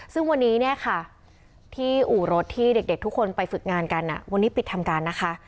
ซึ่งวันนี้เนี่ยค่ะที่อู่รถที่เด็กทุกคนไปฝึกงานกันวันนี้ปิดทำการนะคะ